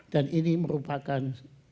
dan ini merupakan